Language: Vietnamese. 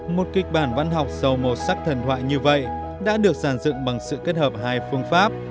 một kịch bản văn học sâu màu sắc thần thoại như vậy đã được sản dựng bằng sự kết hợp hai phương pháp